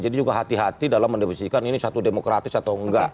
jadi juga hati hati dalam mendepisihkan ini satu demokratis atau enggak